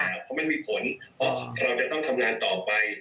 เพราะมันมีผลเพราะเราจะต้องทำงานต่อไป